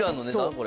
これ。